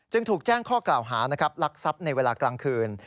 ถูกแจ้งข้อกล่าวหานะครับลักทรัพย์ในเวลากลางคืน